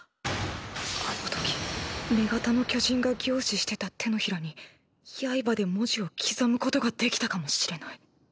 あの時女型の巨人が凝視してた手のひらに刃で文字を刻むことができたかもしれない。